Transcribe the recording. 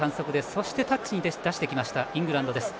そしてタッチに出してきましたイングランドです。